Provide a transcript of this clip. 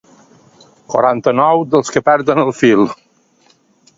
Quaranta-nou dels que perden el fil.